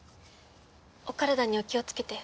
お体にお気をつけて。